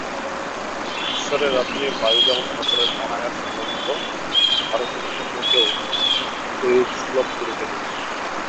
ঈশ্বরের রাজ্যে বায়ু যেমন সকলের অনায়াস-লভ্য, ভারতের ধর্মকেও ঐরূপ সুলভ করিতে হইবে।